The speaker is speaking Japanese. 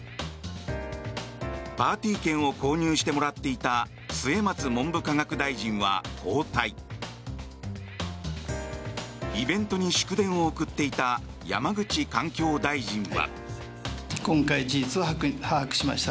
パーティー券を購入してもらっていた末松文部科学大臣は交代イベントに祝電を送っていた山口環境大臣は。